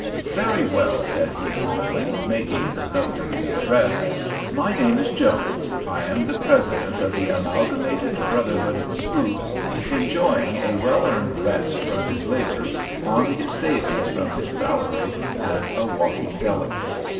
"Very well," said he, calmly, making a note of the address. "My name is Jones. I am the president of the Amalgamated Brotherhood of Spooks, enjoying a well earned rest from his labors on his savings from his salary as a walking delegate.